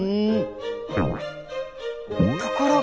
ところが。